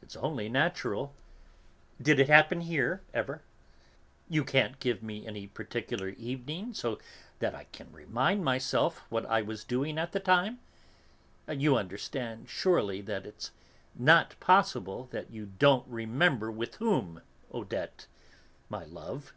It's only natural. Did it happen here, ever? You can't give me any particular evening, so that I can remind myself what I was doing at the time? You understand, surely, that it's not possible that you don't remember with whom, Odette, my love."